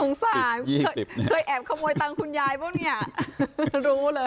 สงสารยี่สิบเนี้ยเคยแอบขโมยตังคุณยายเปล่าเนี้ยรู้เลยเออ